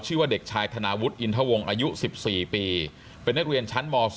ชื่อว่าเด็กชายธนาวุฒิอินทวงศ์อายุ๑๔ปีเป็นนักเรียนชั้นม๒